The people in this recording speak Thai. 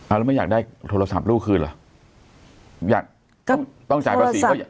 แล้วไม่อยากได้โทรศัพท์ลูกคืนเหรออยากต้องต้องจ่ายภาษีก็อยาก